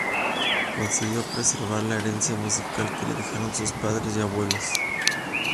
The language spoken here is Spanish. Consiguió preservar la herencia musical que le dejaron sus padres y abuelos.